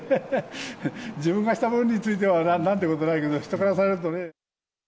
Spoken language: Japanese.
自分がした分についてはなんてことないけど、人からされるとね。